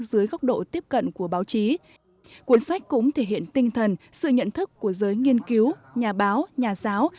dưới góc độ tiếp cận của báo chí cuốn sách cũng thể hiện tinh thần sự nhận thức của giới nghiên cứu nhà báo nhà giáo